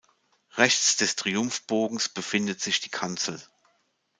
Rechts des Triumphbogens befindet sich die Kanzel.